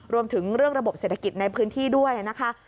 รวมถึงเรื่องระบบเศรษฐกิจในพื้นที่ด้วยนะคะ